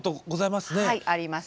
はいあります。